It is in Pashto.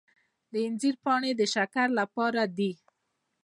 د انځر پاڼې د شکر لپاره دي.